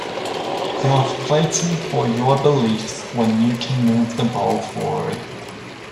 You're fighting for your beliefs when you can move the ball forward.